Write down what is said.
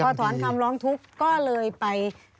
พอถอนคำร้องทุกข์ก็เลยไป